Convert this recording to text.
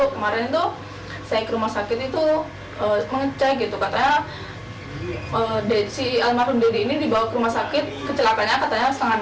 kemarin saya ke rumah sakit itu mengecek katanya si almarhum deddy ini dibawa ke rumah sakit kecelakanya setengah enam